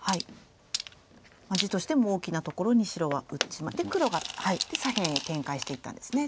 地としても大きなところに白は打ち黒が左辺へ展開していったんですね。